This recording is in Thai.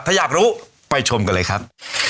ถ้าอยากรู้ไปชมกันเลยครับ